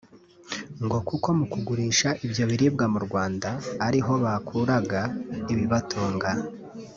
ngo kuko mu kugurisha ibyo biribwa mu Rwanda ariho bakuraga ibibatunga